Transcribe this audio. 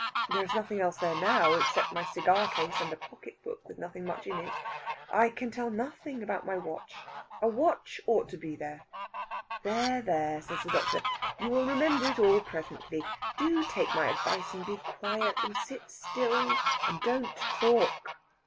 There is nothing else there now, except my cigar case and a pocket book with nothing much in it. I can tell nothing about my watch. A watch ought to be there." "There, there!" says the doctor; "you will remember it all presently. Do take my advice and be quiet, and sit still and don't talk."